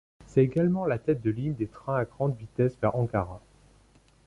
C'est également la tête de ligne des trains à grande vitesse vers Ankara.